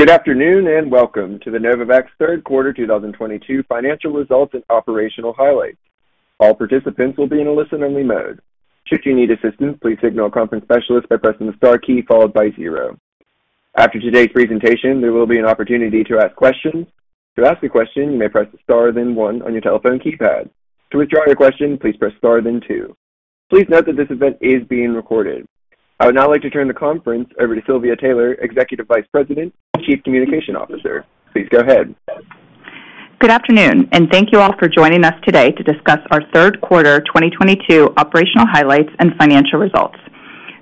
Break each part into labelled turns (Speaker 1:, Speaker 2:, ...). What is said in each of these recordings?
Speaker 1: Good afternoon, and welcome to the Novavax third quarter 2022 financial results and operational highlights. All participants will be in a listen-only mode. Should you need assistance, please signal a conference specialist by pressing the star key followed by zero. After today's presentation, there will be an opportunity to ask questions. To ask a question, you may press star, then one on your telephone keypad. To withdraw your question, please press star, then two. Please note that this event is being recorded. I would now like to turn the conference over to Silvia Taylor, Executive Vice President and Chief Communication Officer. Please go ahead.
Speaker 2: Good afternoon, and thank you all for joining us today to discuss our third quarter 2022 operational highlights and financial results.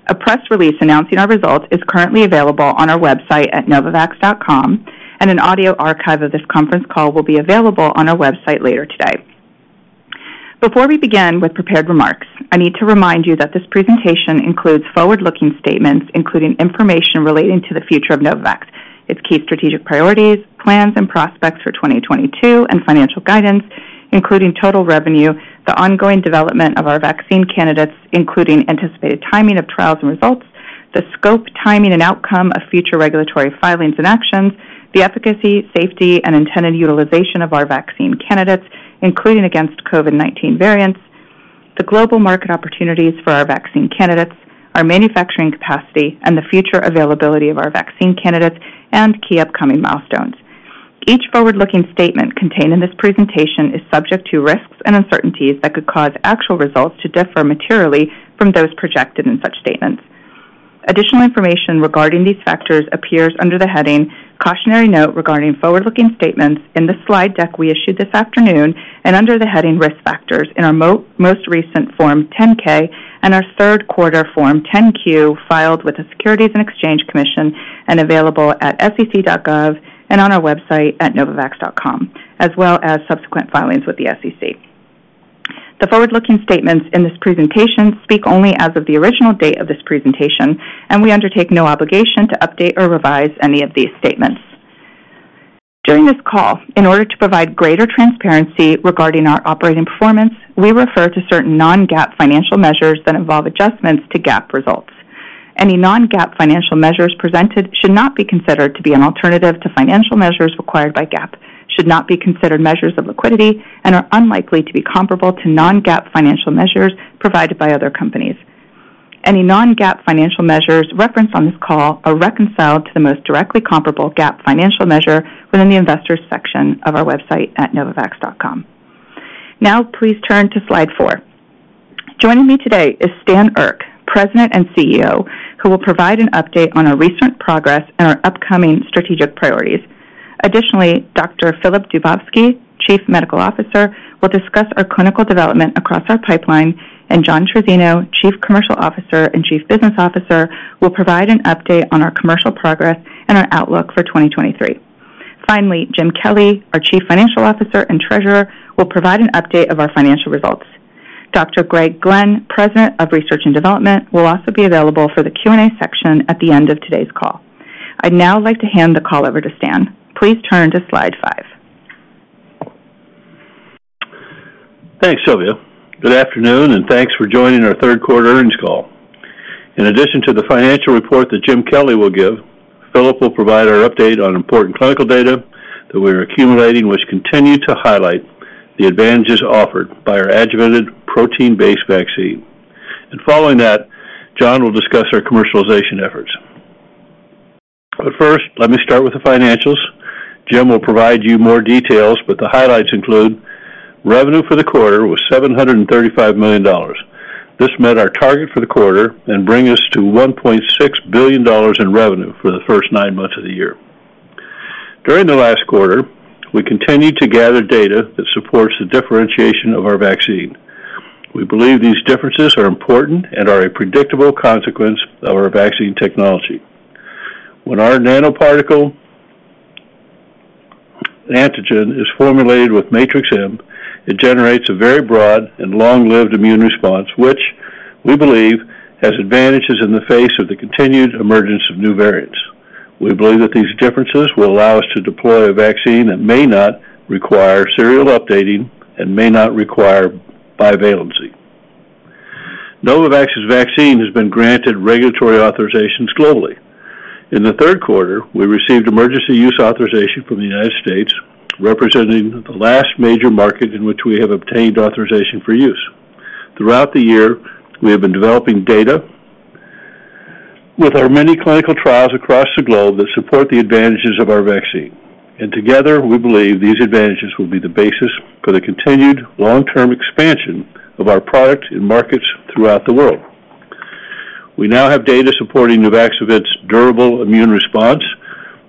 Speaker 2: A press release announcing our results is currently available on our website at novavax.com. An audio archive of this conference call will be available on our website later today. Before we begin with prepared remarks, I need to remind you that this presentation includes forward-looking statements, including information relating to the future of Novavax, its key strategic priorities, plans, and prospects for 2022 and financial guidance, including total revenue, the ongoing development of our vaccine candidates, including anticipated timing of trials and results, the scope, timing, and outcome of future regulatory filings and actions, the efficacy, safety, and intended utilization of our vaccine candidates, including against COVID-19 variants, the global market opportunities for our vaccine candidates, our manufacturing capacity, and the future availability of our vaccine candidates and key upcoming milestones. Each forward-looking statement contained in this presentation is subject to risks and uncertainties that could cause actual results to differ materially from those projected in such statements. Additional information regarding these factors appears under the heading Cautionary Note Regarding Forward-Looking Statements in the slide deck we issued this afternoon and under the heading Risk Factors in our most recent Form 10-K and our third quarter Form 10-Q filed with the Securities and Exchange Commission and available at sec.gov and on our website at novavax.com, as well as subsequent filings with the SEC. The forward-looking statements in this presentation speak only as of the original date of this presentation. We undertake no obligation to update or revise any of these statements. During this call, in order to provide greater transparency regarding our operating performance, we refer to certain non-GAAP financial measures that involve adjustments to GAAP results. Any non-GAAP financial measures presented should not be considered to be an alternative to financial measures required by GAAP, should not be considered measures of liquidity, and are unlikely to be comparable to non-GAAP financial measures provided by other companies. Any non-GAAP financial measures referenced on this call are reconciled to the most directly comparable GAAP financial measure within the Investors section of our website at novavax.com. Please turn to slide four. Joining me today is Stan Erck, President and CEO, who will provide an update on our recent progress and our upcoming strategic priorities. Additionally, Dr. Filip Dubovsky, Chief Medical Officer, will discuss our clinical development across our pipeline, and John Trizzino, Chief Commercial Officer and Chief Business Officer, will provide an update on our commercial progress and our outlook for 2023. Finally, Jim Kelly, our Chief Financial Officer and Treasurer, will provide an update of our financial results. Dr. Greg Glenn, President of Research and Development, will also be available for the Q&A section at the end of today's call. I'd now like to hand the call over to Stan. Please turn to slide five.
Speaker 3: Thanks, Silvia. Good afternoon, and thanks for joining our third quarter earnings call. In addition to the financial report that Jim Kelly will give, Filip will provide our update on important clinical data that we are accumulating, which continue to highlight the advantages offered by our adjuvanted protein-based vaccine. Following that, John will discuss our commercialization efforts. First, let me start with the financials. Jim will provide you more details, but the highlights include revenue for the quarter was $735 million. This met our target for the quarter and bring us to $1.6 billion in revenue for the first nine months of the year. During the last quarter, we continued to gather data that supports the differentiation of our vaccine. We believe these differences are important and are a predictable consequence of our vaccine technology. When our nanoparticle antigen is formulated with Matrix-M, it generates a very broad and long-lived immune response, which we believe has advantages in the face of the continued emergence of new variants. We believe that these differences will allow us to deploy a vaccine that may not require serial updating and may not require bivalency. Novavax's vaccine has been granted regulatory authorizations globally. In the third quarter, we received emergency use authorization from the United States, representing the last major market in which we have obtained authorization for use. Throughout the year, we have been developing data with our many clinical trials across the globe that support the advantages of our vaccine. Together, we believe these advantages will be the basis for the continued long-term expansion of our product in markets throughout the world. We now have data supporting Nuvaxovid's durable immune response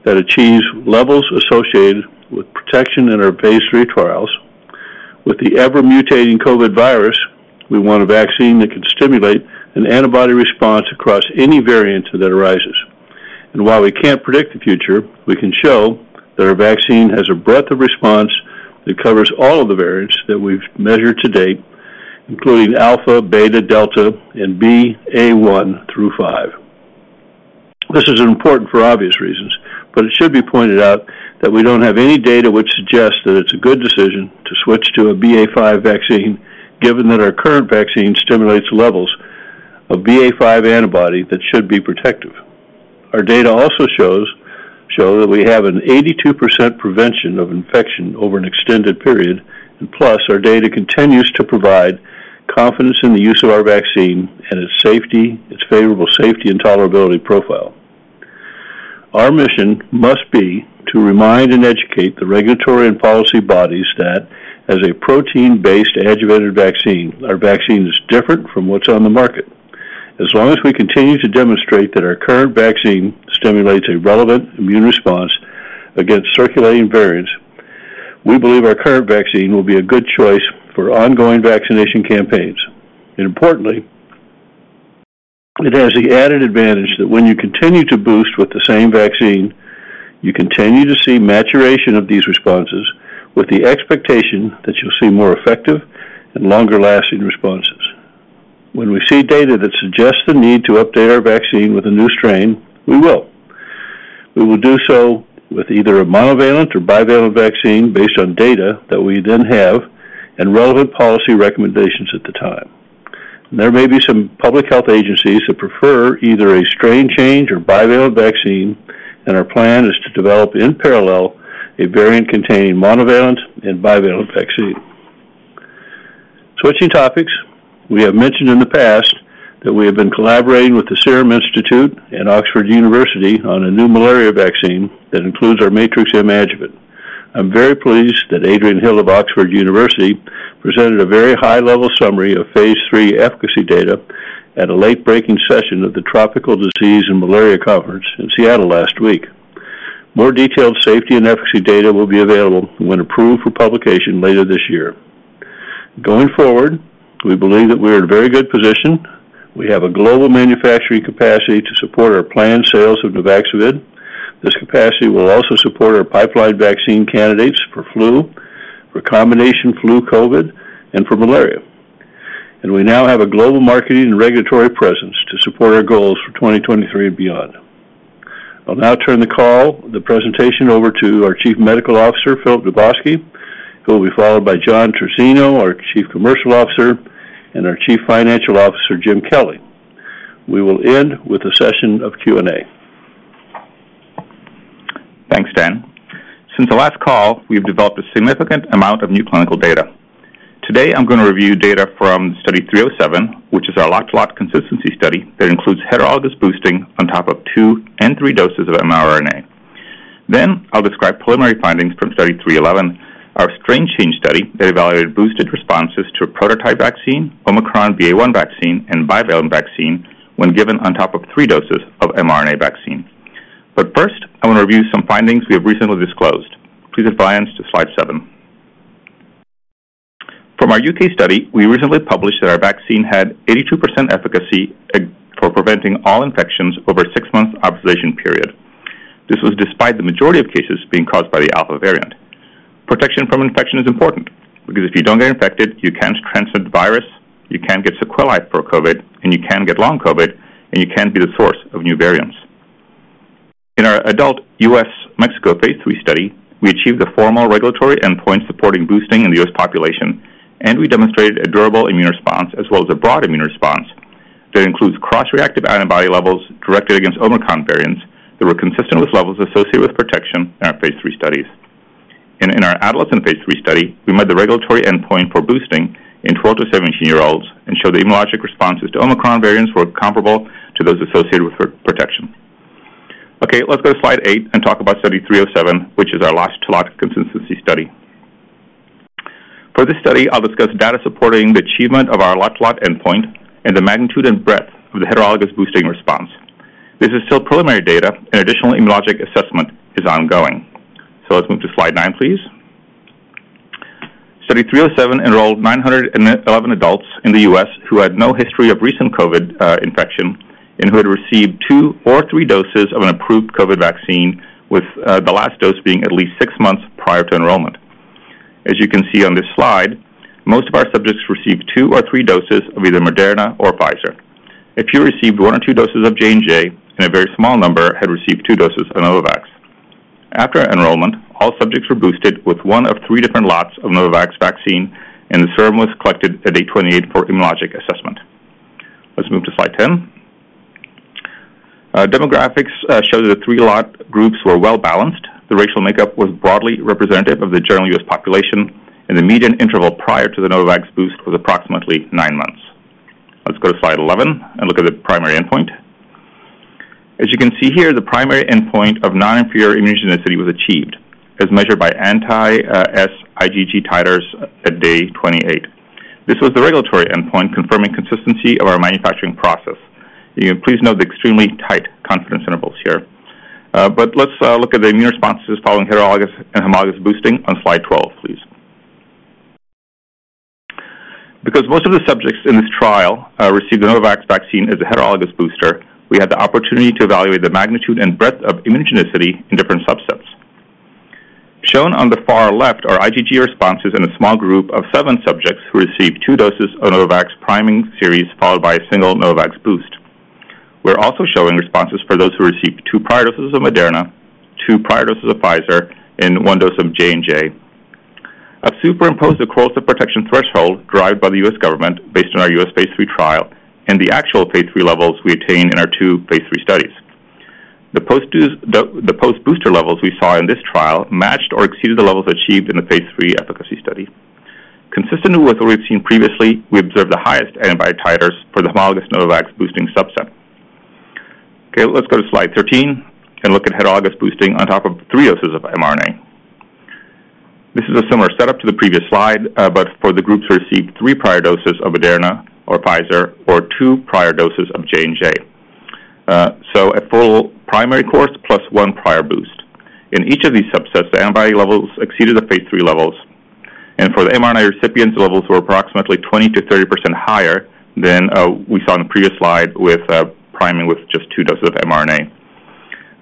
Speaker 3: that achieves levels associated with protection in our phase III trials. With the ever-mutating COVID virus, we want a vaccine that can stimulate an antibody response across any variant that arises. While we can't predict the future, we can show that our vaccine has a breadth of response that covers all of the variants that we've measured to date, including Alpha, Beta, Delta, and BA.1 through 5. This is important for obvious reasons, it should be pointed out that we don't have any data which suggests that it's a good decision to switch to a BA.5 vaccine, given that our current vaccine stimulates levels of BA.5 antibody that should be protective. Our data also show that we have an 82% prevention of infection over an extended period, our data continues to provide confidence in the use of our vaccine and its favorable safety and tolerability profile. Our mission must be to remind and educate the regulatory and policy bodies that as a protein-based adjuvanted vaccine, our vaccine is different from what's on the market. As long as we continue to demonstrate that our current vaccine stimulates a relevant immune response against circulating variants, we believe our current vaccine will be a good choice for ongoing vaccination campaigns. Importantly, it has the added advantage that when you continue to boost with the same vaccine, you continue to see maturation of these responses with the expectation that you'll see more effective and longer-lasting responses. When we see data that suggests the need to update our vaccine with a new strain, we will. We will do so with either a monovalent or bivalent vaccine based on data that we then have and relevant policy recommendations at the time. There may be some public health agencies that prefer either a strain change or bivalent vaccine, our plan is to develop in parallel a variant-containing monovalent and bivalent vaccine. Switching topics, we have mentioned in the past that we have been collaborating with the Serum Institute and the University of Oxford on a new malaria vaccine that includes our Matrix-M adjuvant. I'm very pleased that Adrian Hill of the University of Oxford presented a very high-level summary of phase III efficacy data at a late-breaking session of the Tropical Disease and Malaria Conference in Seattle last week. More detailed safety and efficacy data will be available when approved for publication later this year. Going forward, we believe that we are in a very good position. We have a global manufacturing capacity to support our planned sales of Nuvaxovid. This capacity will also support our pipeline vaccine candidates for flu, for combination flu-COVID, and for malaria, we now have a global marketing and regulatory presence to support our goals for 2023 and beyond. I'll now turn the call, the presentation over to our Chief Medical Officer, Filip Dubovsky, who will be followed by John Trizzino, our Chief Commercial Officer, and our Chief Financial Officer, Jim Kelly. We will end with a session of Q&A.
Speaker 4: Thanks, Stan. Since the last call, we've developed a significant amount of new clinical data. Today, I'm going to review data from Study 307, which is our lot-to-lot consistency study that includes heterologous boosting on top of two N3 doses of mRNA. I'll describe preliminary findings from Study 311, our strain change study that evaluated boosted responses to a prototype vaccine, Omicron BA.1 vaccine, and bivalent vaccine when given on top of three doses of mRNA vaccine. First, I want to review some findings we have recently disclosed. Please advance to slide seven. From our U.K. study, we recently published that our vaccine had 82% efficacy for preventing all infections over a six-month observation period. This was despite the majority of cases being caused by the Alpha variant. Protection from infection is important because if you don't get infected, you can't transmit the virus, you can't get sequelae for COVID, and you can get long COVID, and you can be the source of new variants. In our adult U.S.-Mexico phase III study, we achieved the formal regulatory endpoint supporting boosting in the U.S. population, and we demonstrated a durable immune response as well as a broad immune response that includes cross-reactive antibody levels directed against Omicron variants that were consistent with levels associated with protection in our phase III studies. In our adolescent phase III study, we met the regulatory endpoint for boosting in 12 to 17-year-olds and showed the immunologic responses to Omicron variants were comparable to those associated with protection. Okay, let's go to slide eight and talk about Study 307, which is our lot-to-lot consistency study. For this study, I'll discuss data supporting the achievement of our lot-to-lot endpoint and the magnitude and breadth of the heterologous boosting response. This is still preliminary data, and additional immunologic assessment is ongoing. Let's move to slide nine, please. Study 307 enrolled 911 adults in the U.S. who had no history of recent COVID infection and who had received two or three doses of an approved COVID vaccine, with the last dose being at least six months prior to enrollment. As you can see on this slide, most of our subjects received two or three doses of either Moderna or Pfizer. A few received one or two doses of J&J, and a very small number had received two doses of Novavax. After enrollment, all subjects were boosted with one of three different lots of Novavax vaccine, and the serum was collected at day 28 for immunologic assessment. Let's move to slide 10. Demographics show that the three lot groups were well-balanced. The racial makeup was broadly representative of the general U.S. population, and the median interval prior to the Novavax boost was approximately nine months. Let's go to slide 11 and look at the primary endpoint. As you can see here, the primary endpoint of non-inferior immunogenicity was achieved as measured by anti-S IgG titers at day 28. This was the regulatory endpoint confirming consistency of our manufacturing process. Please note the extremely tight confidence intervals here. Let's look at the immune responses following heterologous and homologous boosting on slide 12, please. Because most of the subjects in this trial received the Novavax vaccine as a heterologous booster, we had the opportunity to evaluate the magnitude and breadth of immunogenicity in different subsets. Shown on the far left are IgG responses in a small group of seven subjects who received two doses of Novavax priming series, followed by a single Novavax boost. We are also showing responses for those who received two prior doses of Moderna, two prior doses of Pfizer, and one dose of J&J. I have superimposed the course of protection threshold derived by the U.S. government based on our U.S. phase III trial and the actual phase III levels we attain in our two phase III studies. The post booster levels we saw in this trial matched or exceeded the levels achieved in the phase III efficacy study. Consistent with what we have seen previously, we observed the highest antibody titers for the homologous Novavax boosting subset. Let us go to slide 13 and look at heterologous boosting on top of three doses of mRNA. This is a similar setup to the previous slide, but for the groups who received three prior doses of Moderna or Pfizer, or two prior doses of J&J. A full primary course plus one prior boost. In each of these subsets, the antibody levels exceeded the phase III levels, and for the mRNA recipients, levels were approximately 20%-30% higher than we saw in the previous slide with priming with just two doses of mRNA.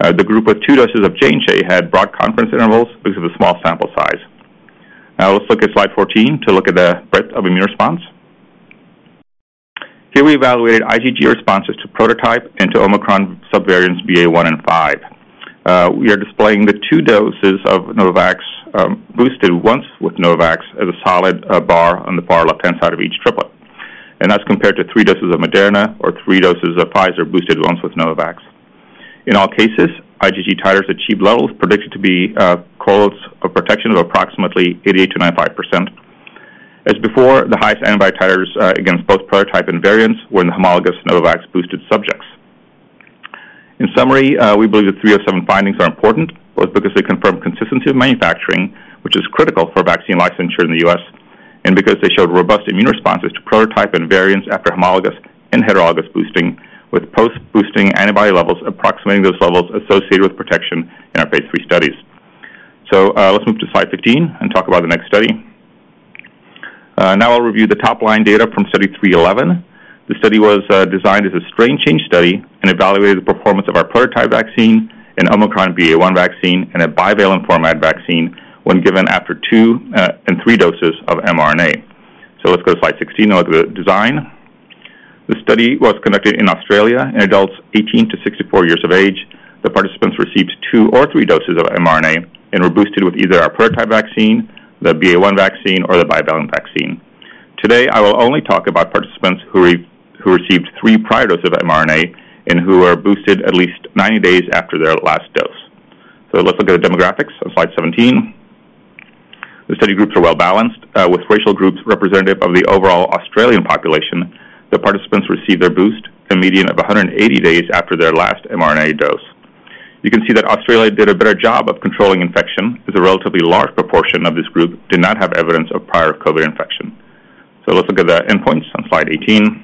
Speaker 4: The group with two doses of J&J had broad confidence intervals due to the small sample size. Let us look at slide 14 to look at the breadth of immune response. Here we evaluated IgG responses to prototype and to Omicron subvariants BA.1 and BA.5. We are displaying the two doses of Novavax boosted once with Novavax as a solid bar on the far left-hand side of each triplet, and that is compared to three doses of Moderna or three doses of Pfizer boosted once with Novavax. In all cases, IgG titers achieved levels predicted to be close for protection of approximately 88%-95%. As before, the highest antibody titers against both prototype and variants were in the homologous Novavax boosted subjects. In summary, we believe the 307 findings are important, both because they confirm consistency of manufacturing, which is critical for vaccine licensure in the U.S., and because they showed robust immune responses to prototype and variants after homologous and heterologous boosting, with post-boosting antibody levels approximating those levels associated with protection in our phase III studies. Let us move to slide 15 and talk about the next study. I will review the top-line data from Study 311. The study was designed as a strain change study and evaluated the performance of our prototype vaccine in Omicron BA.1 vaccine and a bivalent format vaccine when given after two and three doses of mRNA. Let us go to slide 16 on the design. The study was conducted in Australia in adults 18-64 years of age. The participants received two or three doses of mRNA and were boosted with either our prototype vaccine, the BA.1 vaccine, or the bivalent vaccine. Today, I will only talk about participants who received three prior doses of mRNA and who were boosted at least 90 days after their last dose. Let us look at the demographics on slide 17. The study groups are well-balanced, with racial groups representative of the overall Australian population. The participants received their boost a median of 180 days after their last mRNA dose. You can see that Australia did a better job of controlling infection, with a relatively large proportion of this group did not have evidence of prior COVID infection. Let's look at the endpoints on slide 18.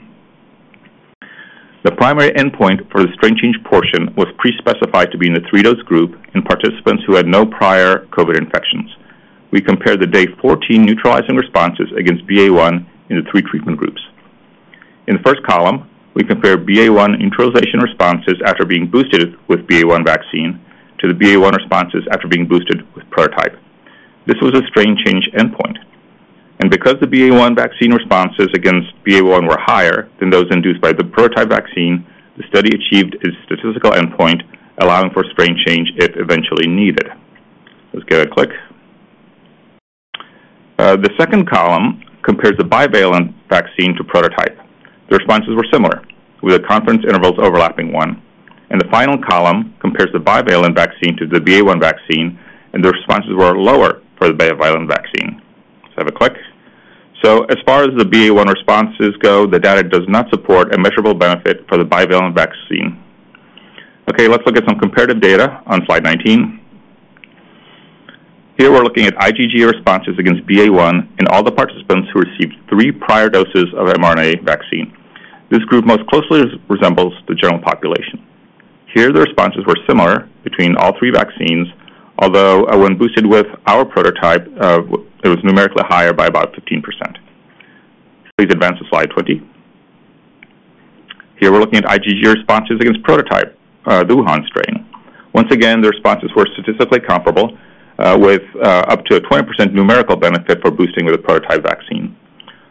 Speaker 4: The primary endpoint for the strain change portion was pre-specified to be in the three-dose group in participants who had no prior COVID infections. We compared the day 14 neutralizing responses against BA.1 in the three treatment groups. In the first column, we compare BA.1 neutralization responses after being boosted with BA.1 vaccine to the BA.1 responses after being boosted with prototype. Because the BA.1 vaccine responses against BA.1 were higher than those induced by the prototype vaccine, the study achieved its statistical endpoint, allowing for strain change if eventually needed. Let's give it a click. The second column compares the bivalent vaccine to prototype. The responses were similar, with the confidence intervals overlapping one. The final column compares the bivalent vaccine to the BA.1 vaccine, and the responses were lower for the bivalent vaccine. Let's have a click. As far as the BA.1 responses go, the data does not support a measurable benefit for the bivalent vaccine. Let's look at some comparative data on slide 19. Here we're looking at IgG responses against BA.1 in all the participants who received three prior doses of mRNA vaccine. This group most closely resembles the general population. Here, the responses were similar between all three vaccines, although when boosted with our prototype, it was numerically higher by about 15%. Please advance to slide 20. Here we're looking at IgG responses against prototype, the Wuhan strain. Once again, the responses were statistically comparable, with up to a 20% numerical benefit for boosting with a prototype vaccine.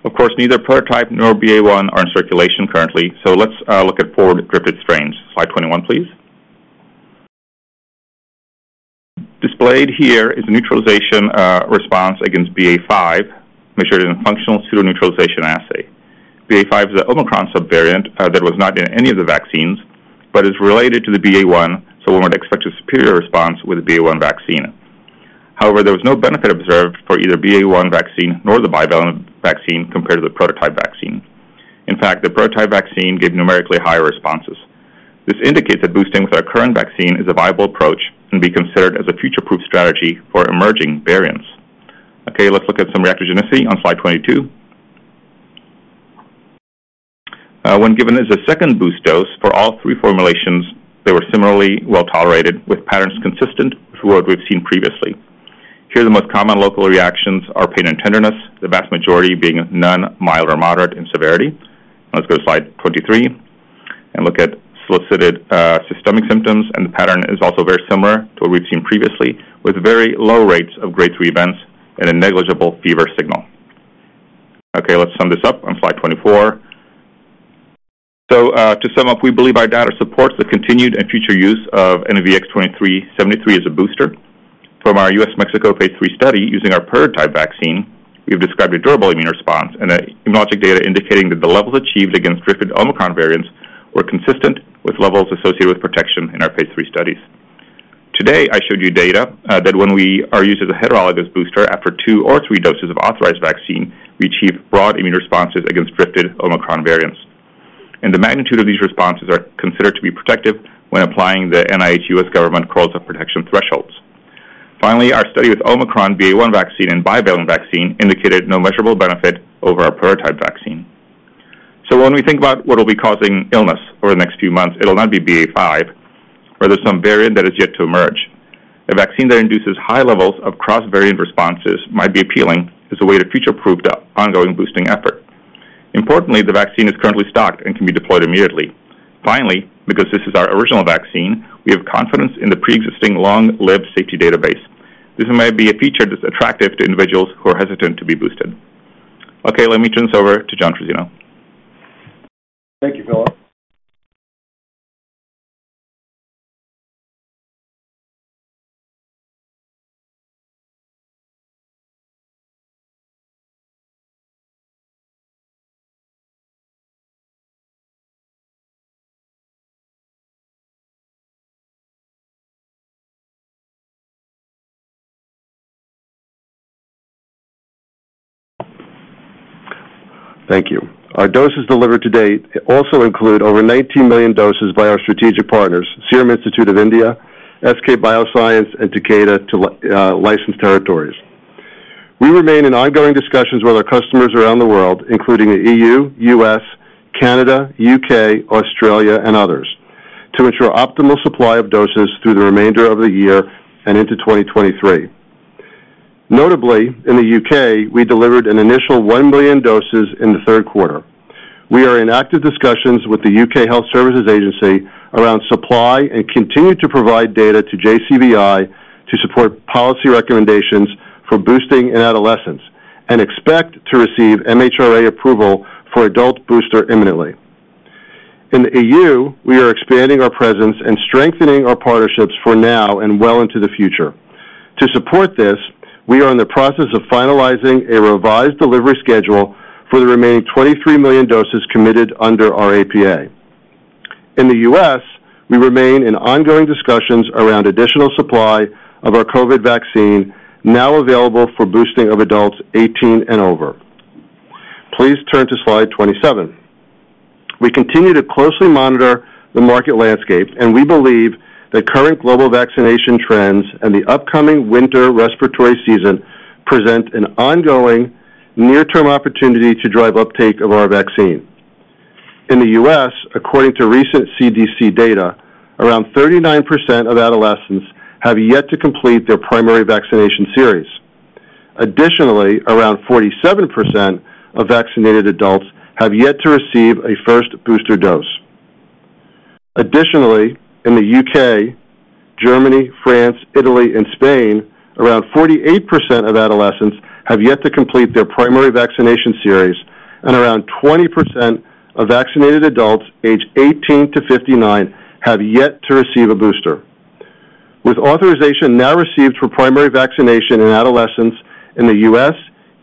Speaker 4: Of course, neither prototype nor BA.1 are in circulation currently, let's look at forward-drifted strains. Slide 21, please. Displayed here is the neutralization response against BA.5, measured in a functional pseudo-neutralization assay. BA.5 is an Omicron subvariant that was not in any of the vaccines but is related to the BA.1, one would expect a superior response with the BA.1 vaccine. However, there was no benefit observed for either BA.1 vaccine nor the bivalent vaccine compared to the prototype vaccine. In fact, the prototype vaccine gave numerically higher responses. This indicates that boosting with our current vaccine is a viable approach and be considered as a future-proof strategy for emerging variants. Let's look at some reactogenicity on slide 22. When given as a second boost dose for all three formulations, they were similarly well-tolerated, with patterns consistent with what we've seen previously. Here, the most common local reactions are pain and tenderness, the vast majority being none, mild, or moderate in severity. Let's go to slide 23 and look at solicited systemic symptoms, the pattern is also very similar to what we've seen previously, with very low rates of grade 3 events and a negligible fever signal. Let's sum this up on slide 24. To sum up, we believe our data supports the continued and future use of NVX 2373 as a booster. From our U.S.-Mexico phase III study using our prototype vaccine, we've described a durable immune response and immunologic data indicating that the levels achieved against drifted Omicron variants were consistent with levels associated with protection in our phase III studies. Today, I showed you data that when we are used as a heterologous booster after two or three doses of authorized vaccine, we achieve broad immune responses against drifted Omicron variants, and the magnitude of these responses are considered to be protective when applying the NIH U.S. government course of protection thresholds. Finally, our study with Omicron BA.1 vaccine and bivalent vaccine indicated no measurable benefit over our prototype vaccine. When we think about what will be causing illness over the next few months, it will either be BA.5, or there is some variant that is yet to emerge. A vaccine that induces high levels of cross-variant responses might be appealing as a way to future-proof the ongoing boosting effort. Importantly, the vaccine is currently stocked and can be deployed immediately. Finally, because this is our original vaccine, we have confidence in the preexisting long-lived safety database. This might be a feature that is attractive to individuals who are hesitant to be boosted. Okay, let me turn this over to John Trizzino.
Speaker 5: Thank you, Filip. Thank you. Our doses delivered to date also include over 19 million doses by our strategic partners, Serum Institute of India, SK bioscience, and Takeda to licensed territories. We remain in ongoing discussions with our customers around the world, including the EU, U.S., Canada, U.K., Australia, and others, to ensure optimal supply of doses through the remainder of the year and into 2023. Notably, in the U.K., we delivered an initial 1 million doses in the third quarter. We are in active discussions with the UK Health Security Agency around supply and continue to provide data to JCVI to support policy recommendations for boosting in adolescents, and expect to receive MHRA approval for adult booster imminently. In the EU, we are expanding our presence and strengthening our partnerships for now and well into the future. To support this, we are in the process of finalizing a revised delivery schedule for the remaining 23 million doses committed under our APA. In the U.S., we remain in ongoing discussions around additional supply of our COVID vaccine, now available for boosting of adults 18 and over. Please turn to slide 27. We continue to closely monitor the market landscape, and we believe that current global vaccination trends and the upcoming winter respiratory season present an ongoing near-term opportunity to drive uptake of our vaccine. In the U.S., according to recent CDC data, around 39% of adolescents have yet to complete their primary vaccination series. Additionally, around 47% of vaccinated adults have yet to receive a first booster dose. Additionally, in the U.K., Germany, France, Italy, and Spain, around 48% of adolescents have yet to complete their primary vaccination series, and around 20% of vaccinated adults aged 18 to 59 have yet to receive a booster. With authorization now received for primary vaccination in adolescents in the U.S.,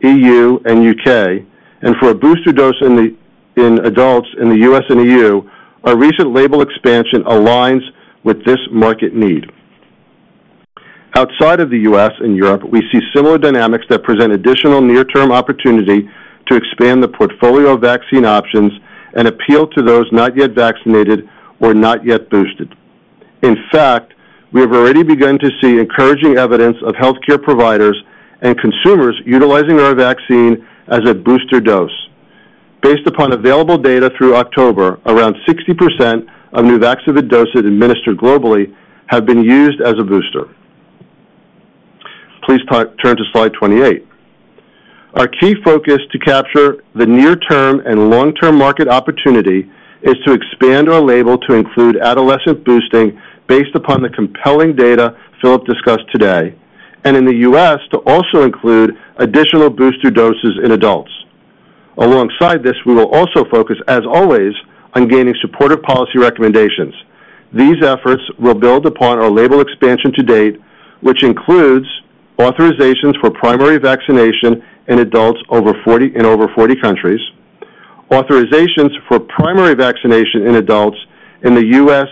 Speaker 5: E.U., and U.K., and for a booster dose in adults in the U.S. and E.U., our recent label expansion aligns with this market need. Outside of the U.S. and Europe, we see similar dynamics that present additional near-term opportunity to expand the portfolio of vaccine options and appeal to those not yet vaccinated or not yet boosted. In fact, we have already begun to see encouraging evidence of healthcare providers and consumers utilizing our vaccine as a booster dose. Based upon available data through October, around 60% of Nuvaxovid doses administered globally have been used as a booster. Please turn to slide 28. Our key focus to capture the near-term and long-term market opportunity is to expand our label to include adolescent boosting based upon the compelling data Filip discussed today, and in the U.S., to also include additional booster doses in adults. Alongside this, we will also focus, as always, on gaining supportive policy recommendations. These efforts will build upon our label expansion to date, which includes authorizations for primary vaccination in over 40 countries, authorizations for primary vaccination in adults in the U.S.,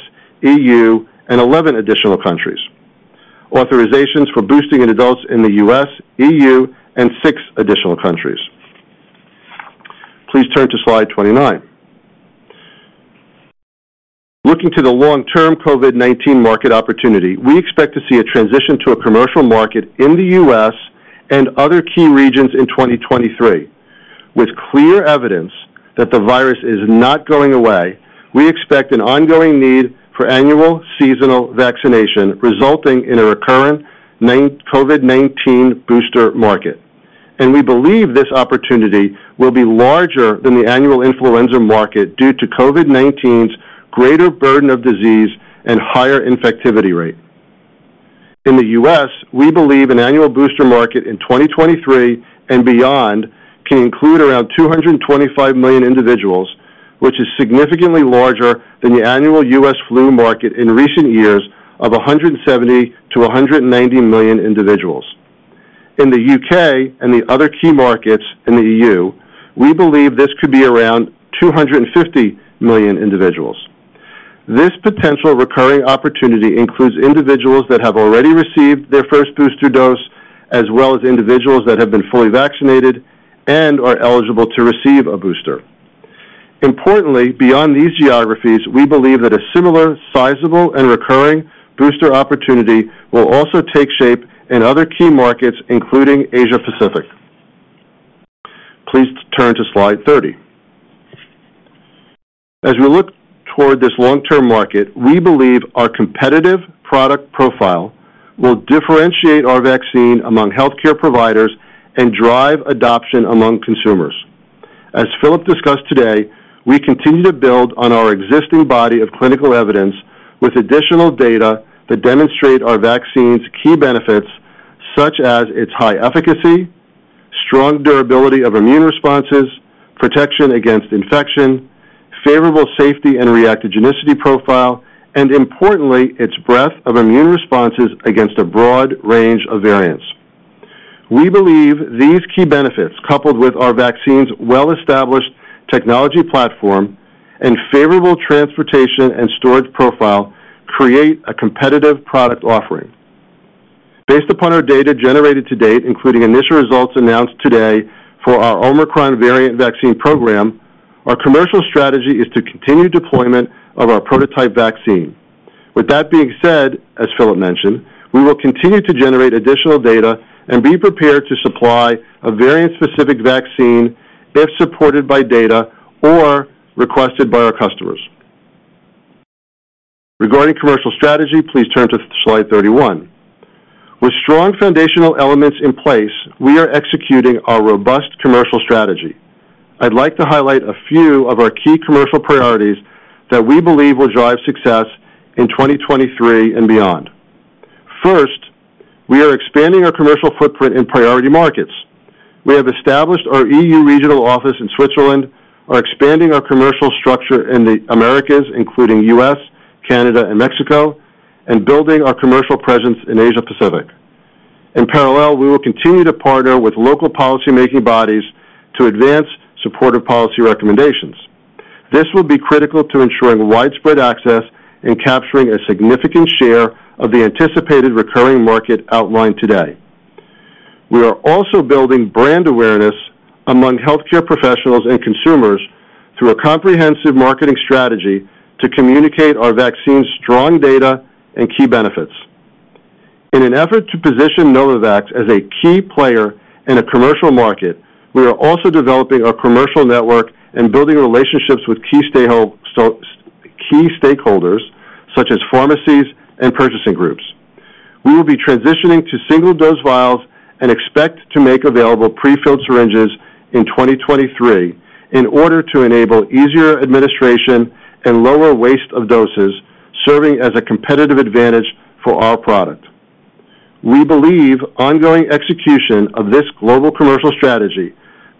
Speaker 5: E.U., and 11 additional countries, authorizations for boosting in adults in the U.S., E.U., and six additional countries. Please turn to slide 29. Looking to the long-term COVID-19 market opportunity, we expect to see a transition to a commercial market in the U.S. and other key regions in 2023. With clear evidence that the virus is not going away, we expect an ongoing need for annual seasonal vaccination, resulting in a recurrent COVID-19 booster market. We believe this opportunity will be larger than the annual influenza market due to COVID-19's greater burden of disease and higher infectivity rate. In the U.S., we believe an annual booster market in 2023 and beyond can include around 225 million individuals, which is significantly larger than the annual U.S. flu market in recent years of 170 million-190 million individuals. In the U.K. and the other key markets in the E.U., we believe this could be around 250 million individuals. This potential recurring opportunity includes individuals that have already received their first booster dose, as well as individuals that have been fully vaccinated and are eligible to receive a booster. Importantly, beyond these geographies, we believe that a similar sizable and recurring booster opportunity will also take shape in other key markets, including Asia Pacific. Please turn to slide 30. As we look toward this long-term market, we believe our competitive product profile will differentiate our vaccine among healthcare providers and drive adoption among consumers. As Filip discussed today, we continue to build on our existing body of clinical evidence with additional data that demonstrate our vaccine's key benefits, such as its high efficacy, strong durability of immune responses, protection against infection, favorable safety and reactogenicity profile, and importantly, its breadth of immune responses against a broad range of variants. We believe these key benefits, coupled with our vaccine's well-established technology platform and favorable transportation and storage profile, create a competitive product offering. Based upon our data generated to date, including initial results announced today for our Omicron variant vaccine program, our commercial strategy is to continue deployment of our prototype vaccine. With that being said, as Filip mentioned, we will continue to generate additional data and be prepared to supply a variant-specific vaccine if supported by data or requested by our customers. Regarding commercial strategy, please turn to slide 31. With strong foundational elements in place, we are executing our robust commercial strategy. I'd like to highlight a few of our key commercial priorities that we believe will drive success in 2023 and beyond. First, we are expanding our commercial footprint in priority markets. We have established our EU regional office in Switzerland, are expanding our commercial structure in the Americas, including U.S., Canada, and Mexico, and building our commercial presence in Asia Pacific. In parallel, we will continue to partner with local policymaking bodies to advance supportive policy recommendations. This will be critical to ensuring widespread access and capturing a significant share of the anticipated recurring market outlined today. We are also building brand awareness among healthcare professionals and consumers through a comprehensive marketing strategy to communicate our vaccine's strong data and key benefits. In an effort to position Novavax as a key player in a commercial market, we are also developing our commercial network and building relationships with key stakeholders, such as pharmacies and purchasing groups. We will be transitioning to single-dose vials and expect to make available prefilled syringes in 2023 in order to enable easier administration and lower waste of doses, serving as a competitive advantage for our product. We believe ongoing execution of this global commercial strategy,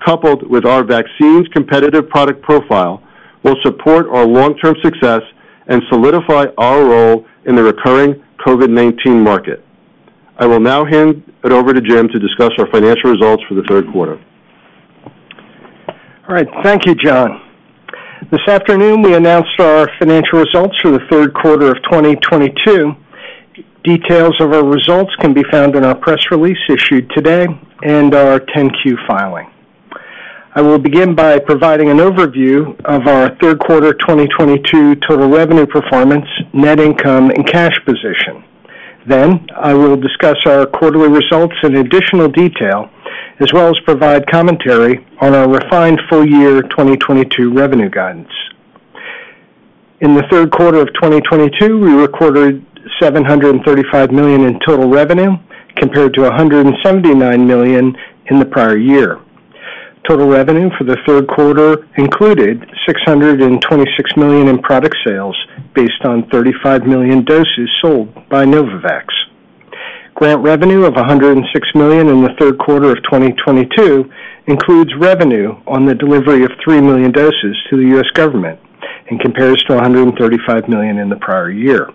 Speaker 5: coupled with our vaccine's competitive product profile, will support our long-term success and solidify our role in the recurring COVID-19 market. I will now hand it over to Jim to discuss our financial results for the third quarter.
Speaker 6: All right. Thank you, John. This afternoon, we announced our financial results for the third quarter of 2022. Details of our results can be found in our press release issued today and our 10-Q filing. I will begin by providing an overview of our third quarter 2022 total revenue performance, net income, and cash position. Then, I will discuss our quarterly results in additional detail, as well as provide commentary on our refined full year 2022 revenue guidance. In the third quarter of 2022, we recorded $735 million in total revenue, compared to $179 million in the prior year. Total revenue for the third quarter included $626 million in product sales based on 35 million doses sold by Novavax. Grant revenue of $106 million in the third quarter of 2022 includes revenue on the delivery of 3 million doses to the U.S. government and compares to $135 million in the prior year.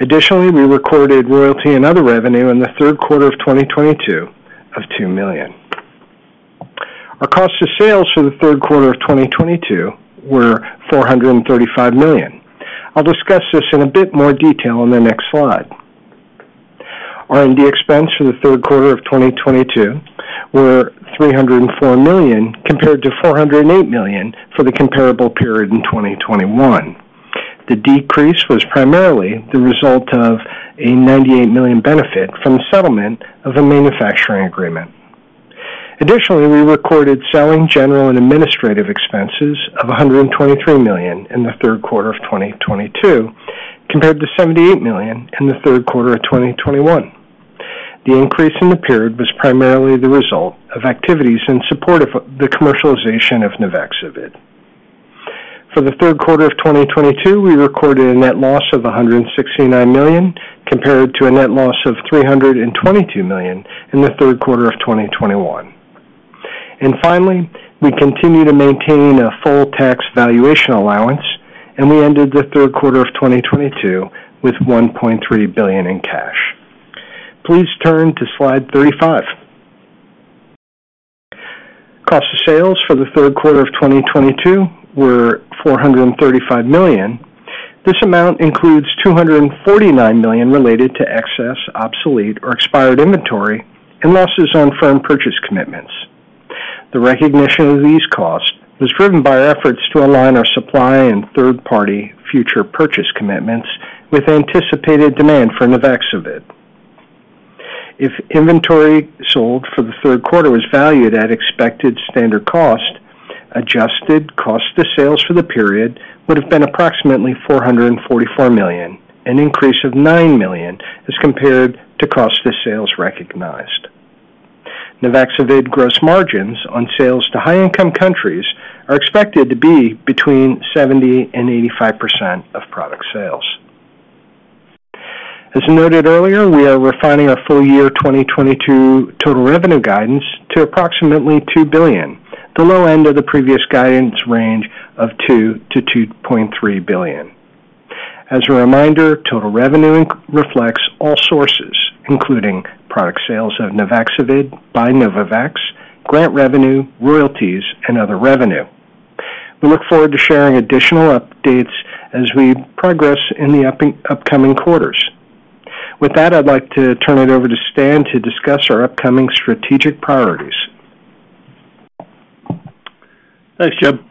Speaker 6: Additionally, we recorded royalty and other revenue in the third quarter of 2022 of $2 million. Our cost of sales for the third quarter of 2022 were $435 million. I'll discuss this in a bit more detail on the next slide. R&D expense for the third quarter of 2022 were $304 million, compared to $408 million for the comparable period in 2021. The decrease was primarily the result of a $98 million benefit from the settlement of a manufacturing agreement. Additionally, we recorded selling, general, and administrative expenses of $123 million in the third quarter of 2022, compared to $78 million in the third quarter of 2021. The increase in the period was primarily the result of activities in support of the commercialization of Nuvaxovid. For the third quarter of 2022, we recorded a net loss of $169 million, compared to a net loss of $322 million in the third quarter of 2021. Finally, we continue to maintain a full tax valuation allowance, and we ended the third quarter of 2022 with $1.3 billion in cash. Please turn to slide 35. Cost of sales for the third quarter of 2022 were $435 million. This amount includes $249 million related to excess, obsolete, or expired inventory, and losses on firm purchase commitments. The recognition of these costs was driven by our efforts to align our supply and third-party future purchase commitments with anticipated demand for Nuvaxovid. If inventory sold for the third quarter was valued at expected standard cost, adjusted cost of sales for the period would've been approximately $444 million, an increase of $9 million as compared to cost of sales recognized. Nuvaxovid gross margins on sales to high-income countries are expected to be between 70%-85% of product sales. As noted earlier, we are refining our full-year 2022 total revenue guidance to approximately $2 billion, the low end of the previous guidance range of $2 billion-$2.3 billion. As a reminder, total revenue reflects all sources, including product sales of Nuvaxovid by Novavax, grant revenue, royalties, and other revenue. We look forward to sharing additional updates as we progress in the upcoming quarters. With that, I'd like to turn it over to Stan to discuss our upcoming strategic priorities.
Speaker 3: Thanks, Jim.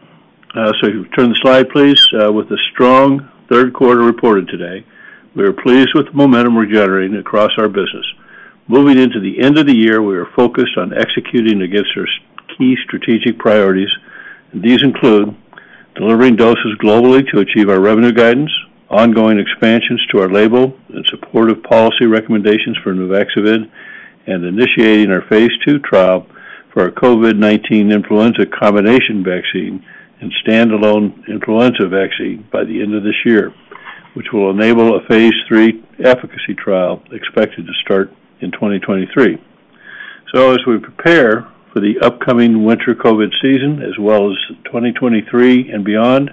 Speaker 3: If you turn the slide, please. With a strong third quarter reported today, we are pleased with the momentum we're generating across our business. Moving into the end of the year, we are focused on executing against our key strategic priorities. These include delivering doses globally to achieve our revenue guidance, ongoing expansions to our label in support of policy recommendations for Nuvaxovid, and initiating our phase II trial for our COVID-19-Influenza Combination vaccine and stand-alone influenza vaccine by the end of this year, which will enable a phase III efficacy trial expected to start in 2023. As we prepare for the upcoming winter COVID season as well as 2023 and beyond,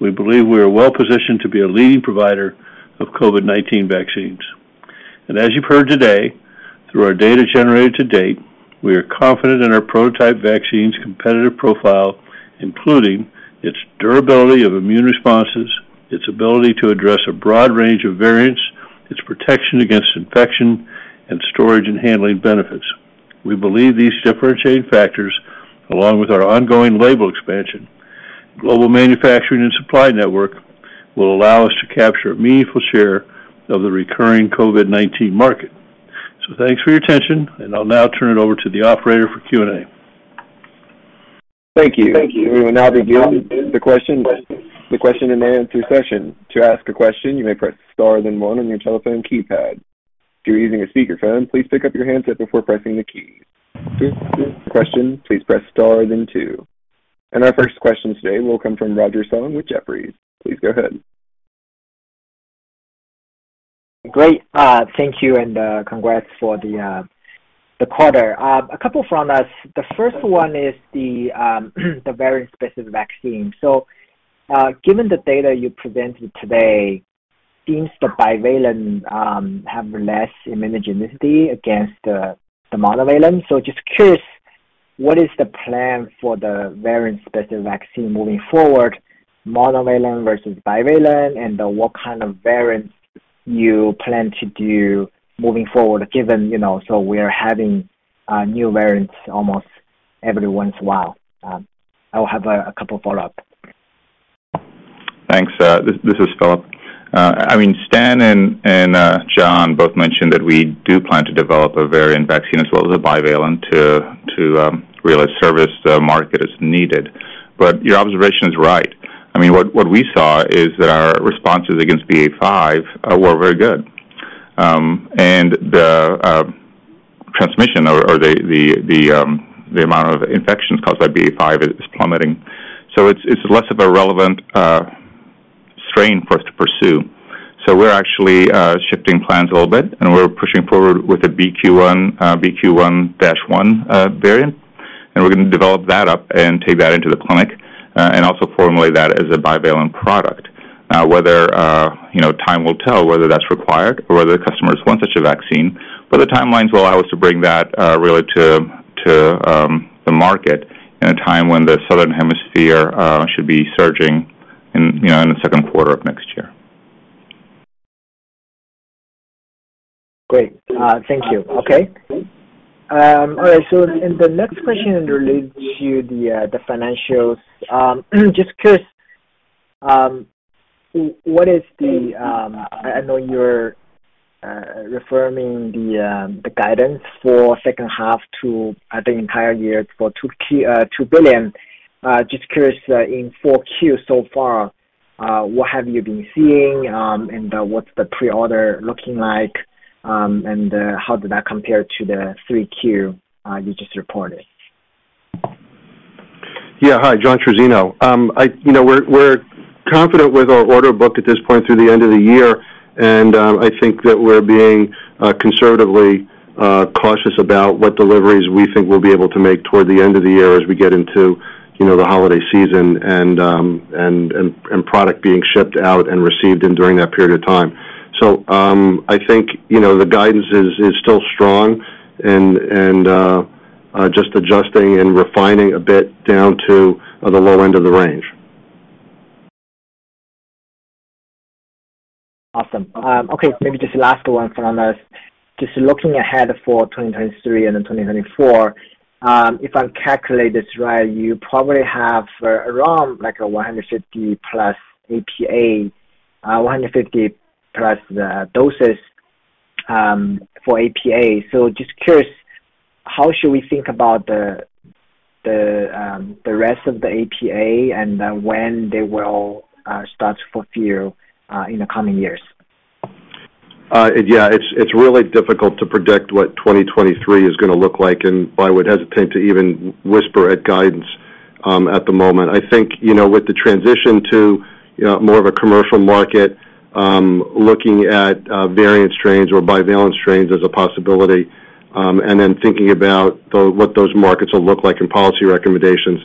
Speaker 3: we believe we are well-positioned to be a leading provider of COVID-19 vaccines. As you have heard today, through our data generated to date, we are confident in our prototype vaccine's competitive profile, including its durability of immune responses, its ability to address a broad range of variants, its protection against infection, and storage and handling benefits. We believe these differentiating factors, along with our ongoing label expansion, global manufacturing, and supply network, will allow us to capture a meaningful share of the recurring COVID-19 market. Thanks for your attention, and I'll now turn it over to the operator for Q&A.
Speaker 1: Thank you. We will now begin the question and answer session. To ask a question, you may press star then one on your telephone keypad. If you're using a speakerphone, please pick up your handset before pressing the keys. To withdraw your question, please press star then two. Our first question today will come from Roger Song with Jefferies. Please go ahead.
Speaker 7: Great. Thank you. Congrats for the quarter. A couple from us. The first one is the variant-specific vaccine. Given the data you presented today, seems the bivalent have less immunogenicity against the monovalent. Just curious, what is the plan for the variant-specific vaccine moving forward, monovalent versus bivalent, and what kind of variants you plan to do moving forward, given we're having new variants almost every once in a while? I'll have a couple follow-up.
Speaker 4: Thanks. This is Filip. Stan and John both mentioned that we do plan to develop a variant vaccine as well as a bivalent to really service the market as needed. Your observation is right. What we saw is that our responses against BA.5 were very good. The transmission, or the amount of infections caused by BA.5 is plummeting. It's less of a relevant strain for us to pursue. We're actually shifting plans a little bit, and we're pushing forward with the BQ.1.1 variant, and we're going to develop that up and take that into the clinic, and also formulate that as a bivalent product. Time will tell whether that's required or whether customers want such a vaccine. The timelines will allow us to bring that really to the market in a time when the southern hemisphere should be surging in the second quarter of next year.
Speaker 7: Great. Thank you. Okay. All right. In the next question related to the financials, just curious, I know you're reaffirming the guidance for second half to the entire year for $2 billion. Just curious, in Q4 so far what have you been seeing, and what's the pre-order looking like, and how did that compare to the 3Q you just reported?
Speaker 5: Yeah, hi. John Trizzino. We're confident with our order book at this point through the end of the year. I think that we're being conservatively cautious about what deliveries we think we'll be able to make toward the end of the year as we get into the holiday season and product being shipped out and received in during that period of time. I think the guidance is still strong and just adjusting and refining a bit down to the low end of the range.
Speaker 7: Awesome. Okay, maybe just last one from us. Just looking ahead for 2023 and then 2024, if I calculate this right, you probably have around like 150+ APA, 150+ doses for APA. Just curious, how should we think about the rest of the APA and when they will start to fulfill in the coming years?
Speaker 5: Yeah. It's really difficult to predict what 2023 is going to look like, and I would hesitate to even whisper at guidance at the moment. I think, with the transition to more of a commercial market, looking at variant strains or bivalent strains as a possibility, then thinking about what those markets will look like and policy recommendations.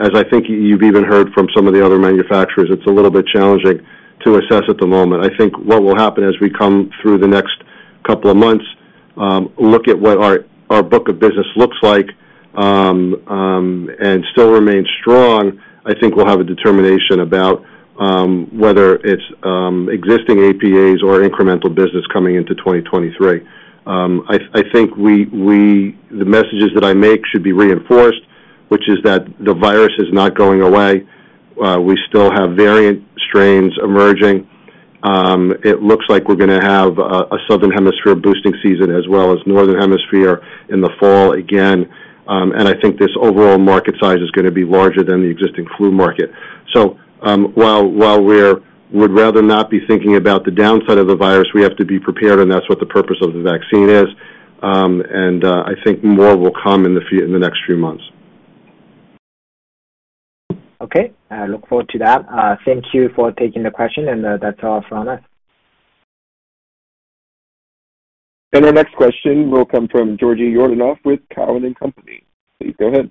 Speaker 5: As I think you've even heard from some of the other manufacturers, it's a little bit challenging to assess at the moment. I think what will happen as we come through the next couple of months, look at what our book of business looks like, and still remains strong, I think we'll have a determination about whether it's existing APAs or incremental business coming into 2023. I think the messages that I make should be reinforced, which is that the virus is not going away. We still have variant strains emerging. It looks like we're going to have a southern hemisphere boosting season as well as northern hemisphere in the fall again. I think this overall market size is going to be larger than the existing flu market. While we would rather not be thinking about the downside of a virus, we have to be prepared, and that's what the purpose of the vaccine is. I think more will come in the next few months.
Speaker 7: Okay. I look forward to that. Thank you for taking the question. That's all from us.
Speaker 1: Our next question will come from Georgi Yordanov with Cowen and Company. Please go ahead.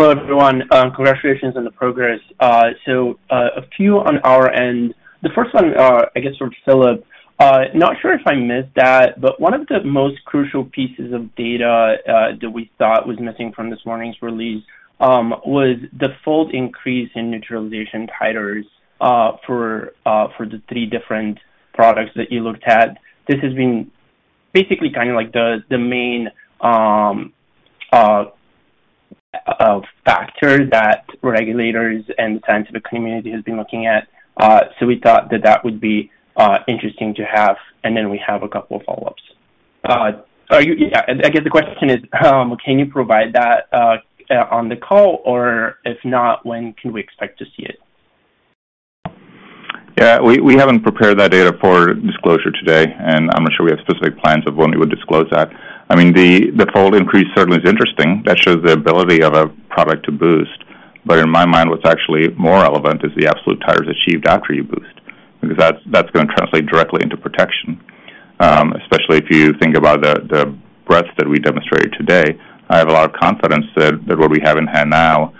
Speaker 8: Hello, everyone. Congratulations on the progress. A few on our end. The first one, I guess for Filip. Not sure if I missed that, one of the most crucial pieces of data that we thought was missing from this morning's release was the fold increase in neutralization titers for the three different products that you looked at. This has been basically kind of like the main factor that regulators and the scientific community has been looking at. We thought that that would be interesting to have, and then we have a couple of follow-ups. I guess the question is, can you provide that on the call, or if not, when can we expect to see it?
Speaker 4: Yeah. We haven't prepared that data for disclosure today, I'm not sure we have specific plans of when we would disclose that. I mean, the fold increase certainly is interesting. That shows the ability of a product to boost. In my mind, what's actually more relevant is the absolute titers achieved after you boost, because that's going to translate directly into protection, especially if you think about the breadth that we demonstrated today. I have a lot of confidence that what we have in hand now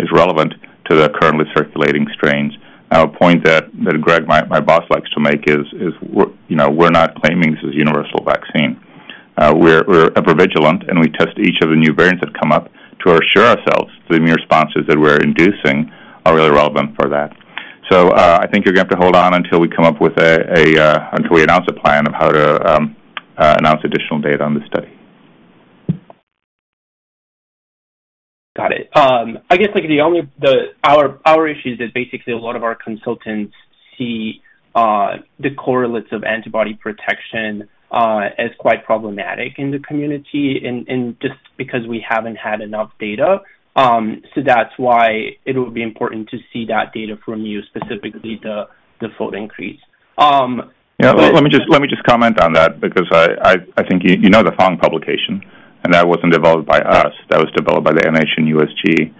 Speaker 4: is relevant to the currently circulating strains. A point that Greg, my boss, likes to make is we're not claiming this is a universal vaccine. We're ever vigilant, we test each of the new variants that come up to assure ourselves the immune responses that we're inducing are really relevant for that. I think you're going to have to hold on until we announce a plan of how to announce additional data on the study.
Speaker 8: Got it. I guess our issue is that basically a lot of our consultants see the correlates of antibody protection as quite problematic in the community and just because we haven't had enough data. That's why it would be important to see that data from you, specifically the fold increase.
Speaker 4: Let me just comment on that because I think you know the Fong publication, that wasn't developed by us. That was developed by the NIH and USG.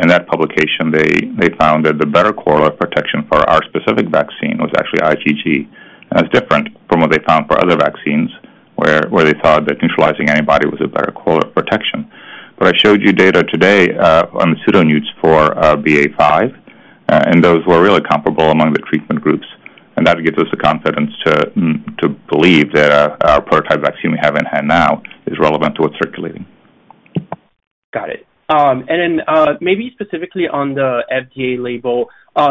Speaker 4: In that publication, they found that the better correlate protection for our specific vaccine was actually IgG, that's different from what they found for other vaccines, where they thought that neutralizing antibody was a better correlate protection. I showed you data today on the pseudoneuts for BA.5, those were really comparable among the treatment groups. That gives us the confidence to believe that our prototype vaccine we have in-hand now is relevant to what's circulating.
Speaker 8: Got it. Maybe specifically on the FDA label,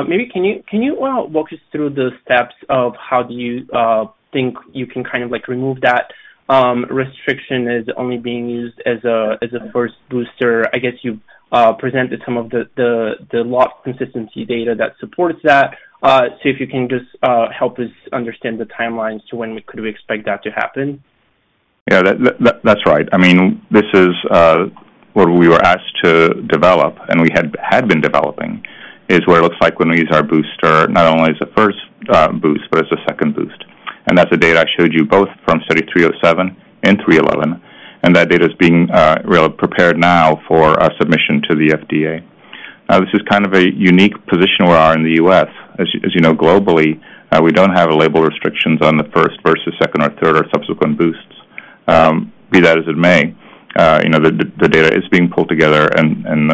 Speaker 8: maybe can you walk us through the steps of how do you think you can kind of remove that restriction as only being used as a first booster? I guess you've presented some of the lot consistency data that supports that. If you can just help us understand the timelines to when could we expect that to happen?
Speaker 4: Yeah, that's right. This is what we were asked to develop, we had been developing, is what it looks like when we use our booster, not only as a first boost, but as a second boost. That's the data I showed you both from study 307 and 311, that data is being prepared now for a submission to the FDA. This is kind of a unique position we are in the U.S. As you know, globally, we don't have label restrictions on the first versus second or third or subsequent boosts. Be that as it may, the data is being pulled together and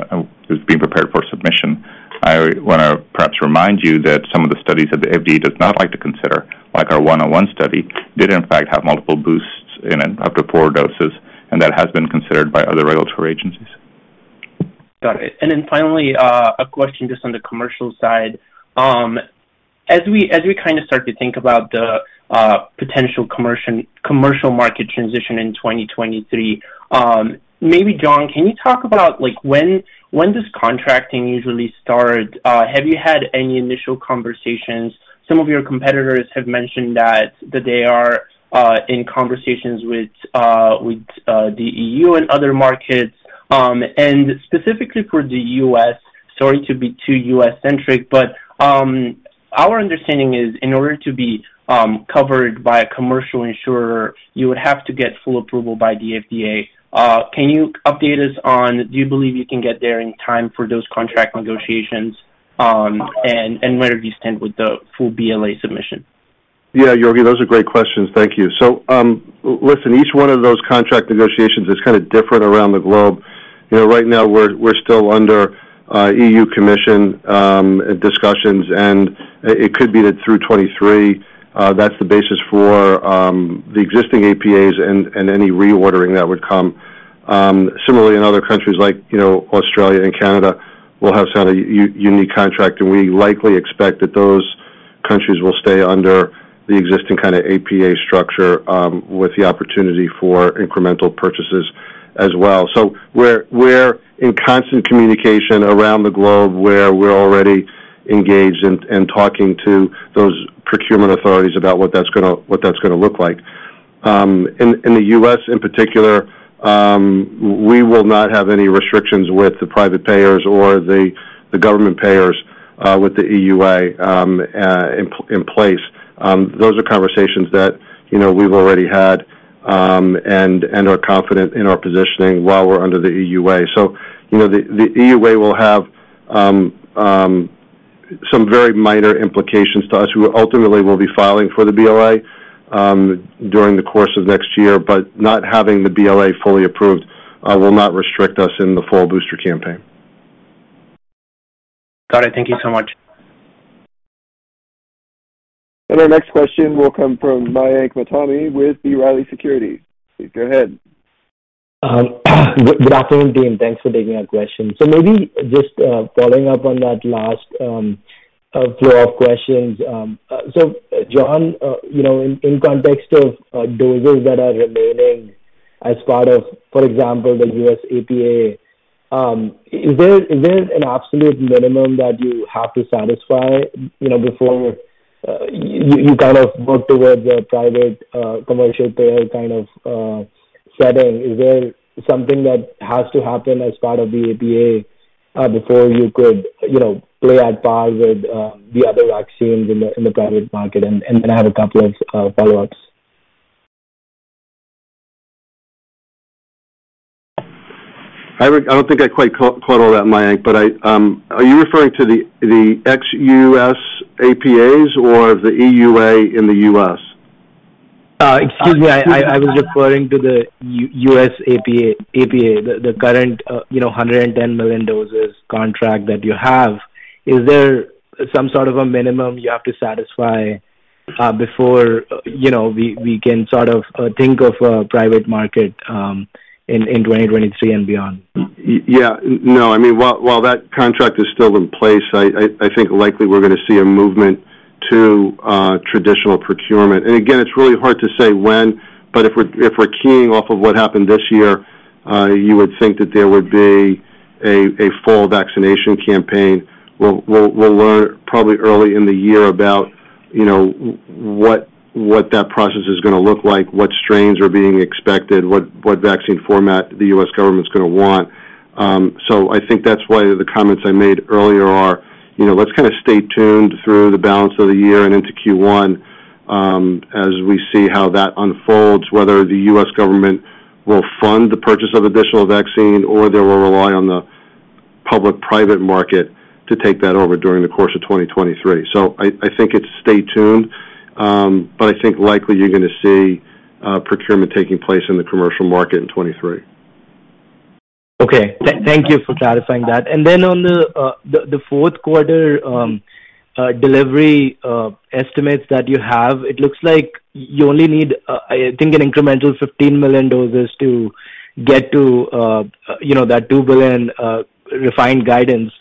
Speaker 4: is being prepared for submission.
Speaker 5: I want to perhaps remind you that some of the studies that the FDA does not like to consider, like our 101 study, did in fact have multiple boosts in it after four doses, that has been considered by other regulatory agencies.
Speaker 8: Got it. Finally, a question just on the commercial side. As we start to think about the potential commercial market transition in 2023, maybe, John, can you talk about when does contracting usually start? Have you had any initial conversations? Some of your competitors have mentioned that they are in conversations with the EU and other markets. Specifically for the U.S., sorry to be too U.S.-centric, but our understanding is in order to be covered by a commercial insurer, you would have to get full approval by the FDA. Can you update us on, do you believe you can get there in time for those contract negotiations, and where do you stand with the full BLA submission?
Speaker 5: Yeah, Georgi, those are great questions. Thank you. Listen, each one of those contract negotiations is kind of different around the globe. Right now, we're still under European Commission discussions, and it could be that through 2023, that's the basis for the existing APAs and any reordering that would come. Similarly, in other countries like Australia and Canada, we'll have to sign a unique contract, and we likely expect that those countries will stay under the existing kind of APA structure with the opportunity for incremental purchases as well. We're in constant communication around the globe where we're already engaged and talking to those procurement authorities about what that's going to look like. In the U.S. in particular, we will not have any restrictions with the private payers or the government payers with the EUA in place. Those are conversations that we've already had and are confident in our positioning while we're under the EUA. The EUA will have some very minor implications to us who ultimately will be filing for the BLA during the course of next year. Not having the BLA fully approved will not restrict us in the fall booster campaign.
Speaker 8: Got it. Thank you so much.
Speaker 1: Our next question will come from Mayank Mamtani with B. Riley Securities. Please go ahead.
Speaker 9: Good afternoon, team. Thanks for taking our question. Maybe just following up on that last flow of questions. John, in context of doses that are remaining as part of, for example, the U.S. APA, is there an absolute minimum that you have to satisfy before you work towards a private commercial payer kind of setting? Is there something that has to happen as part of the APA before you could play at par with the other vaccines in the private market? I have a couple of follow-ups.
Speaker 5: I don't think I quite caught all that, Mayank, are you referring to the ex-U.S. APAs or the EUA in the U.S.?
Speaker 9: Excuse me, I was referring to the U.S. APA, the current 110 million doses contract that you have. Is there some sort of a minimum you have to satisfy before we can think of a private market in 2023 and beyond?
Speaker 5: No, while that contract is still in place, I think likely we're going to see a movement to traditional procurement. Again, it's really hard to say when, but if we're keying off of what happened this year, you would think that there would be a fall vaccination campaign. We'll learn probably early in the year about what that process is going to look like, what strains are being expected, what vaccine format the U.S. government's going to want. I think that's why the comments I made earlier are let's kind of stay tuned through the balance of the year and into Q1 as we see how that unfolds, whether the U.S. government will fund the purchase of additional vaccine, or they will rely on the public-private market to take that over during the course of 2023. I think it's stay tuned, but I think likely you're going to see procurement taking place in the commercial market in 2023.
Speaker 9: Okay. Thank you for clarifying that. Then on the fourth quarter delivery estimates that you have, it looks like you only need, I think, an incremental 15 million doses to get to that 2 billion refined guidance.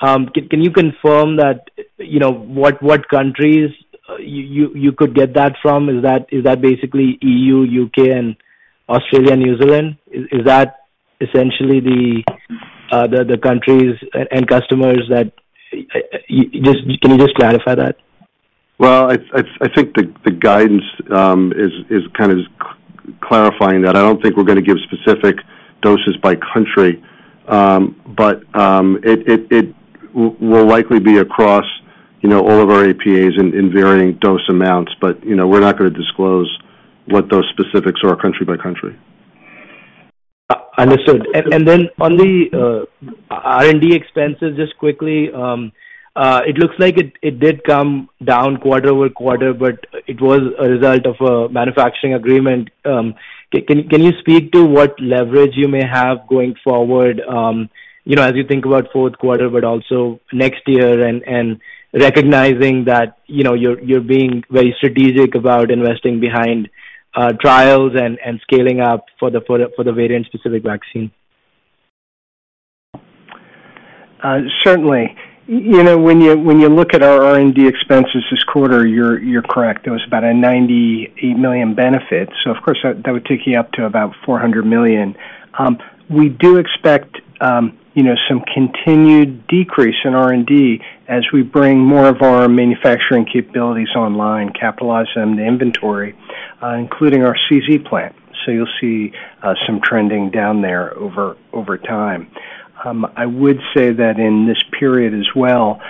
Speaker 9: Can you confirm what countries you could get that from? Is that basically EU, U.K., and Australia, New Zealand? Is that essentially the countries and customers? Can you just clarify that?
Speaker 5: Well, I think the guidance is kind of clarifying that. I don't think we're going to give specific doses by country. It will likely be across all of our APAs in varying dose amounts. We're not going to disclose what those specifics are country by country.
Speaker 9: Understood. On the R&D expenses, just quickly, it looks like it did come down quarter-over-quarter, but it was a result of a manufacturing agreement. Can you speak to what leverage you may have going forward, as you think about fourth quarter, but also next year, recognizing that you're being very strategic about investing behind trials and scaling up for the variant-specific vaccine?
Speaker 6: Certainly. When you look at our R&D expenses this quarter, you're correct. It was about a $98 million benefit. Of course, that would take you up to about $400 million. We do expect some continued decrease in R&D as we bring more of our manufacturing capabilities online, capitalize them to inventory, including our CZ plant. You'll see some trending down there over time. I would say that in this period as well,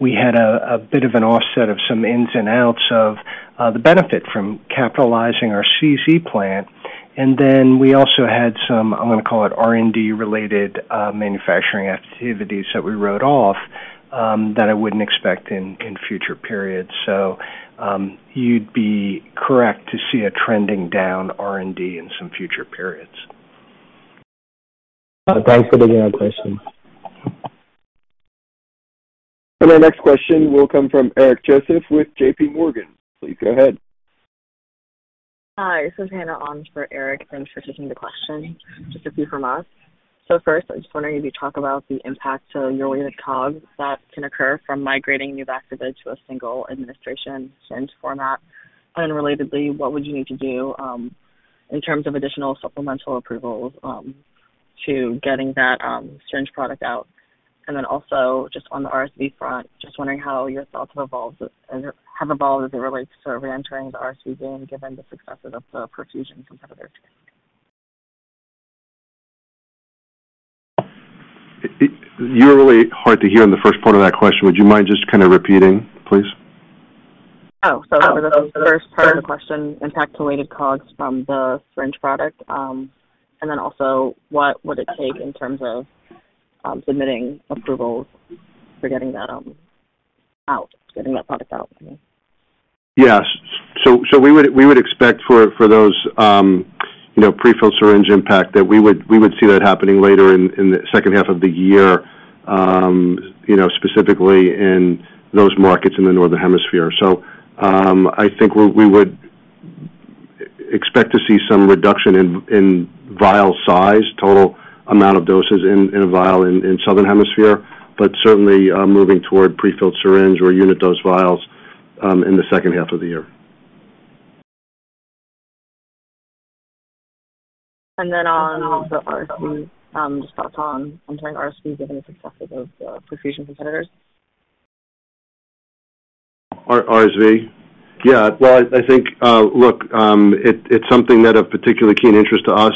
Speaker 6: we had a bit of an offset of some ins and outs of the benefit from capitalizing our CZ plant, we also had some, I'm going to call it R&D-related manufacturing activities that we wrote off, that I wouldn't expect in future periods. You'd be correct to see a trending down R&D in some future periods.
Speaker 9: Thanks for taking our question.
Speaker 1: Our next question will come from Eric Joseph with JPMorgan. Please go ahead.
Speaker 10: Hi, this is Hannah on for Eric. Thanks for taking the question. Just a few from us. First, I was wondering if you could talk about the impact to your weighted COGS that can occur from migrating Nuvaxovid to a single administration syringe format. Unrelatedly, what would you need to do in terms of additional supplemental approvals to getting that syringe product out? Just on the RSV front, just wondering how your thoughts have evolved as it relates to reentering the RSV game, given the successes of the prefusion competitors.
Speaker 5: You were really hard to hear in the first part of that question. Would you mind just kind of repeating, please?
Speaker 10: For the first part of the question, impact to weighted COGS from the syringe product. What would it take in terms of submitting approvals for getting that product out to me?
Speaker 5: Yes. We would expect for those prefill syringe impact that we would see that happening later in the second half of the year, specifically in those markets in the Northern Hemisphere. I think we would expect to see some reduction in vial size, total amount of doses in a vial in Southern Hemisphere, but certainly moving toward prefilled syringe or unit dose vials in the second half of the year.
Speaker 10: On the RSV, just thoughts on entering RSV given the successes of the perfusion competitors.
Speaker 5: RSV? Yeah. Well, I think, look, it's something that of particular keen interest to us.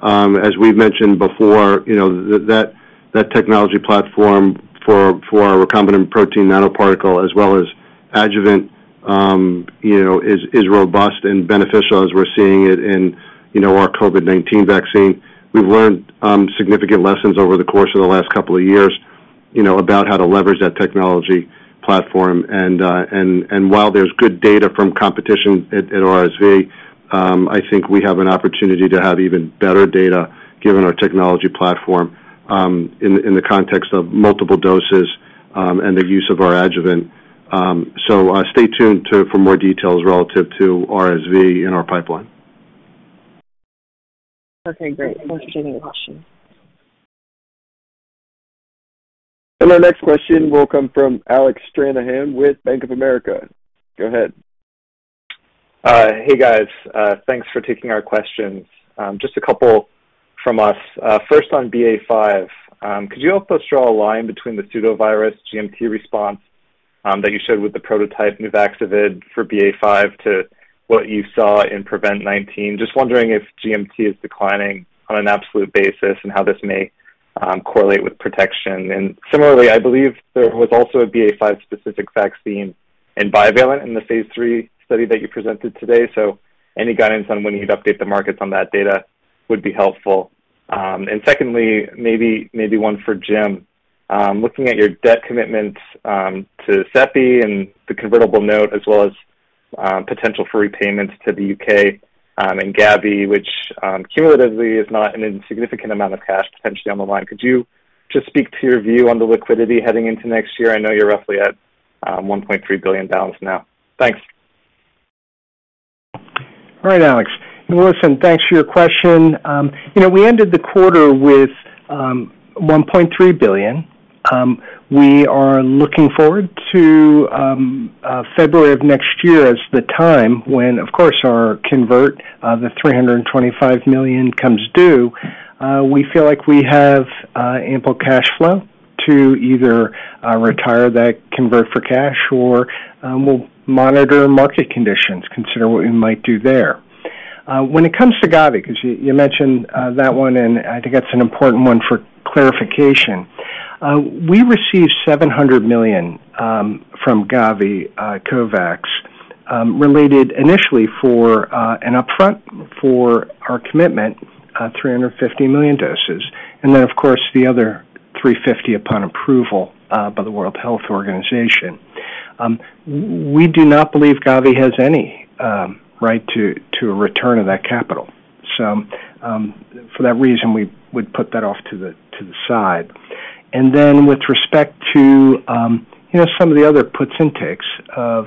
Speaker 5: As we've mentioned before, that technology platform for our recombinant protein nanoparticle as well as adjuvant is robust and beneficial as we're seeing it in our COVID-19 vaccine. We've learned significant lessons over the course of the last couple of years, about how to leverage that technology platform. While there's good data from competition at RSV, I think we have an opportunity to have even better data given our technology platform, in the context of multiple doses, and the use of our adjuvant. Stay tuned for more details relative to RSV in our pipeline.
Speaker 10: Okay, great. Thanks for taking the question.
Speaker 1: Our next question will come from Alec Stranahan with Bank of America. Go ahead.
Speaker 11: Hey, guys. Thanks for taking our questions. Just a couple from us. First on BA.5, could you help us draw a line between the pseudovirus GMT response that you showed with the prototype Nuvaxovid for BA.5 to what you saw in PREVENT-19? Just wondering if GMT is declining on an absolute basis and how this may correlate with protection. Similarly, I believe there was also a BA.5 specific vaccine in bivalent in the phase III study that you presented today. Any guidance on when you'd update the markets on that data would be helpful. Secondly, maybe one for Jim. Looking at your debt commitments to CEPI and the convertible note as well as potential for repayments to the U.K. and Gavi, which cumulatively is not an insignificant amount of cash potentially down the line, could you just speak to your view on the liquidity heading into next year? I know you're roughly at $1.3 billion now. Thanks.
Speaker 6: All right, Alec. Listen, thanks for your question. We ended the quarter with $1.3 billion. We are looking forward to February of next year as the time when, of course, our convert, the $325 million, comes due. We feel like we have ample cash flow to either retire that convert for cash or we'll monitor market conditions, consider what we might do there. When it comes to Gavi, because you mentioned that one, I think that's an important one for clarification. We received $700 million from Gavi, COVAX, related initially for an upfront for our commitment, 350 million doses, then, of course, the other 350 upon approval by the World Health Organization. We do not believe Gavi has any right to a return of that capital. For that reason, we would put that off to the side. With respect to some of the other puts and takes of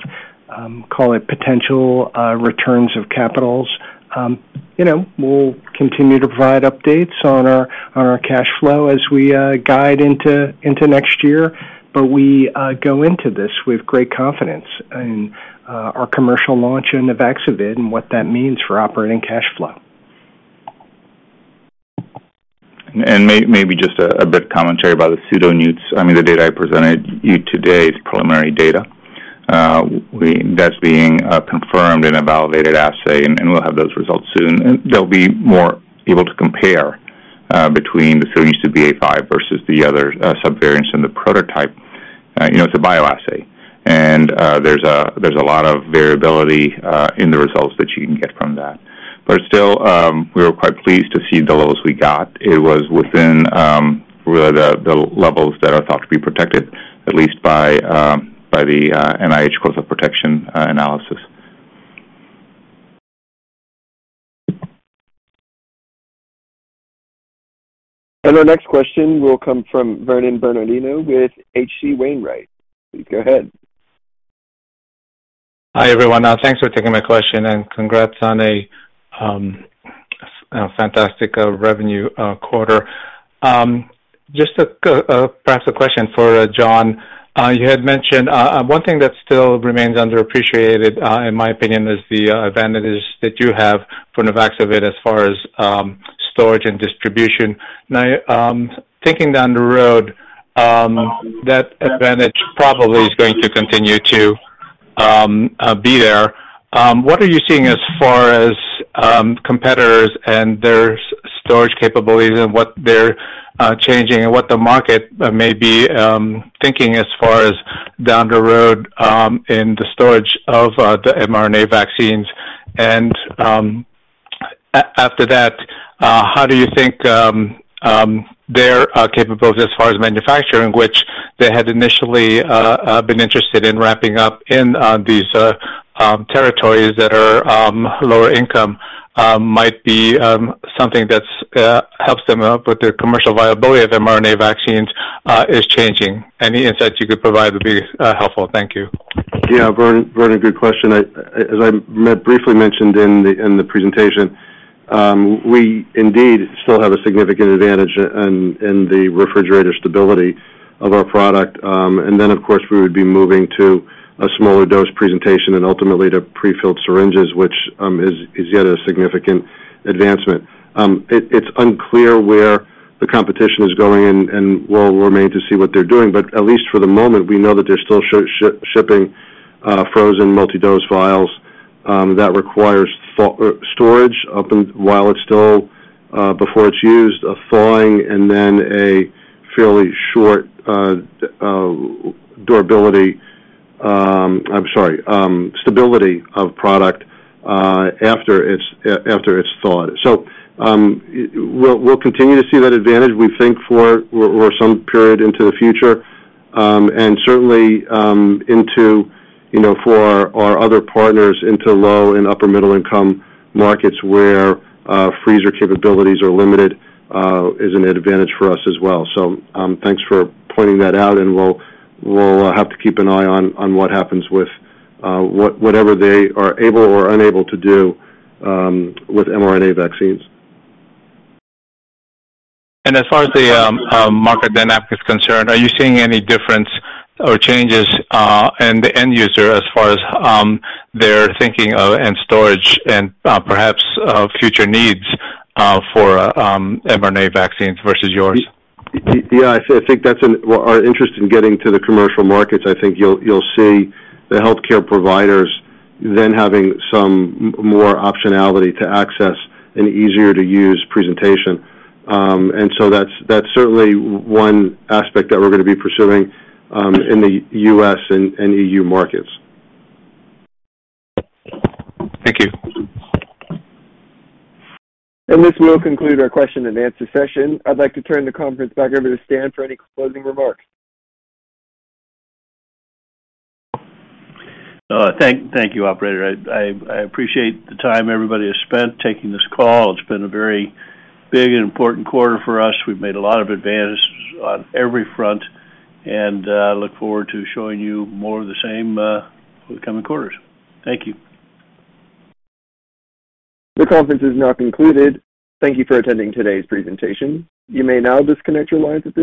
Speaker 6: call it potential returns of capitals. We'll continue to provide updates on our cash flow as we guide into next year, we go into this with great confidence in our commercial launch in Nuvaxovid and what that means for operating cash flow.
Speaker 4: Maybe just a bit of commentary about the pseudoneuts. I mean, the data I presented you today is preliminary data. That's being confirmed in a validated assay, and we'll have those results soon. They'll be more able to compare between the pseudoneut BA.5 versus the other subvariants in the prototype. It's a bioassay, and there's a lot of variability in the results that you can get from that. Still, we were quite pleased to see the levels we got. It was within really the levels that are thought to be protected, at least by the NIH course of protection analysis.
Speaker 1: Our next question will come from Vernon Bernardino with H.C. Wainwright. Go ahead.
Speaker 12: Hi, everyone. Thanks for taking my question and congrats on a fantastic revenue quarter. Just perhaps a question for John. You had mentioned one thing that still remains underappreciated, in my opinion, is the advantages that you have for Nuvaxovid as far as storage and distribution. Now, thinking down the road, that advantage probably is going to continue to be there. What are you seeing as far as competitors and their storage capabilities and what they're changing and what the market may be thinking as far as down the road in the storage of the mRNA vaccines? After that, how do you think their capabilities as far as manufacturing, which they had initially been interested in ramping up in these territories that are lower income might be something that helps them out with their commercial viability of mRNA vaccines is changing. Any insights you could provide would be helpful. Thank you.
Speaker 5: Yeah. Vernon, good question. As I briefly mentioned in the presentation, we indeed still have a significant advantage in the refrigerator stability of our product. Then, of course, we would be moving to a smaller dose presentation and ultimately to prefilled syringes, which is yet a significant advancement. It's unclear where the competition is going, we'll remain to see what they're doing, but at least for the moment, we know that they're still shipping frozen multi-dose vials that requires storage while it's before it's used, thawing, and then a fairly short stability of product after it's thawed. We'll continue to see that advantage, we think for some period into the future. Certainly, for our other partners into low and upper middle-income markets where freezer capabilities are limited, is an advantage for us as well. Thanks for pointing that out, we'll have to keep an eye on what happens with whatever they are able or unable to do with mRNA vaccines.
Speaker 12: As far as the market dynamic is concerned, are you seeing any difference or changes in the end user as far as their thinking and storage and perhaps future needs for mRNA vaccines versus yours?
Speaker 5: Yeah. I think that's our interest in getting to the commercial markets. I think you'll see the healthcare providers then having some more optionality to access an easier-to-use presentation. That's certainly one aspect that we're going to be pursuing in the U.S. and EU markets.
Speaker 12: Thank you.
Speaker 1: This will conclude our question and answer session. I'd like to turn the conference back over to Stan for any closing remarks.
Speaker 3: Thank you, Operator. I appreciate the time everybody has spent taking this call. It's been a very big and important quarter for us. We've made a lot of advances on every front, and I look forward to showing you more of the same for the coming quarters. Thank you.
Speaker 1: The conference is now concluded. Thank you for attending today's presentation. You may now disconnect your lines.